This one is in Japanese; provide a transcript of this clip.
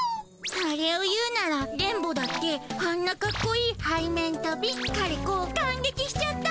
それを言うなら電ボだってあんなかっこいいはい面とび枯れ子感げきしちゃった。